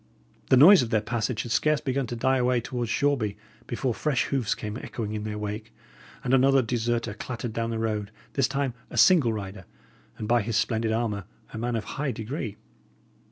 The noise of their passage had scarce begun to die away towards Shoreby, before fresh hoofs came echoing in their wake, and another deserter clattered down the road; this time a single rider and, by his splendid armour, a man of high degree.